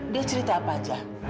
dia cerita apa saja